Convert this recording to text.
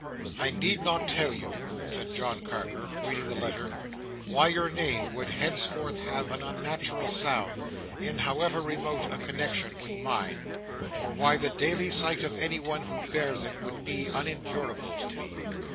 "'I need not tell you,'" said John Carker, reading the letter, "'why your name would henceforth have an unnatural sound, in however remote a connexion with mine, or why the daily sight of anyone who bears it, would be unendurable to me.